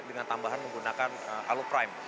dengan tambahan menggunakan alu prime